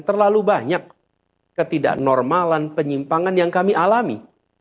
terlalu banyak ketidaknormalan penyimpangan yang kami alami